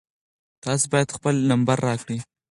تاسو باید خپل نمبر راکړئ.